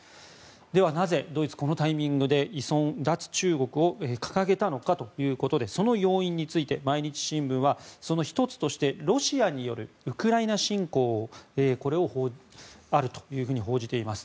では、なぜドイツこのタイミングで依存、脱中国を掲げたのかということでその要因について毎日新聞は、その１つとしてロシアによるウクライナ侵攻があると報じています。